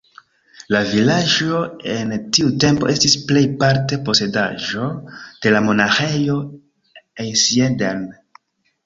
La vilaĝo en tiu tempo estis plej parte posedaĵo de la Monaĥejo Einsiedeln.